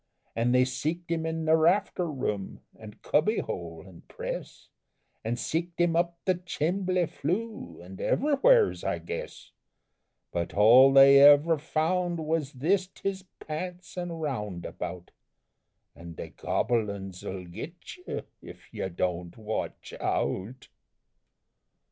An' they seeked him in the rafter room, and cubby hole and press, An' seeked him up the chimbly flue an' ever'wheres, I guess, But all they ever found was thist his pants an' roundabout! An' the gobble uns 'll git you Ef you Don't Watch Out!